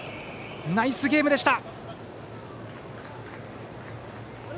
ナイスゲームでした。